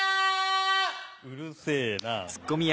うるせぇな。